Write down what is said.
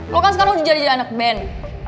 lo kan sekarang udah jadi anak band